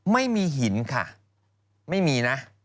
ไม่มีหินค่ะไม่มีนะ